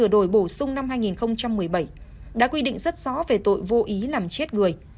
đổi bổ sung năm hai nghìn một mươi bảy đã quy định rất rõ về tội vô ý làm chết người